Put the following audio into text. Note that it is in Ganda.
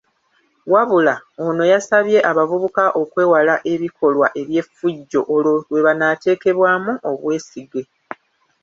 Wabula ono yasabye abavubuka okwewala ebikolwa eby’effujjo olwo lwe banaateekebwamu obwesige.